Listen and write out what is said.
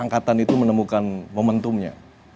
nah berarti kita bisa menemukan momentumnya